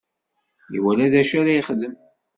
Iwala d acu ara yexdem.